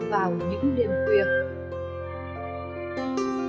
vào những đêm khuya